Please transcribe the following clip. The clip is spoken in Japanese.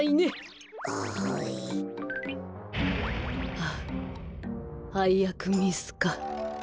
はあはいやくミスか。